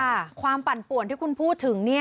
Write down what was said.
ความปั่นป่วนที่คุณพูดถึง